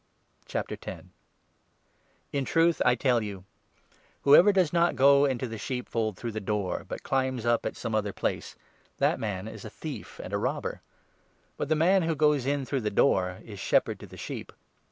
The 'Good 1° truth I tell you, whoever does not go into i shepherd.1 the sheepfold through the door, but climbs up at some other place, that man is a thief and a robber ; but 2 the man who goes in through the door is shepherd to the sheep.